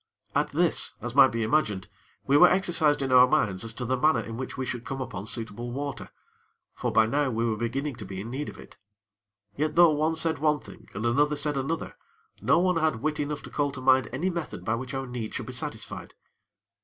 At this, as might be imagined, we were exercised in our minds as to the manner in which we should come upon suitable water; for by now we were beginning to be in need of it. Yet though one said one thing, and another said another, no one had wit enough to call to mind any method by which our need should be satisfied.